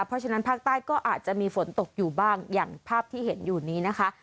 เพราะฉะนั้นภาคใต้ก็อาจจะมีฝนตกอยู่บ้างอย่างภาพที่เห็นอยู่นี้นะคะ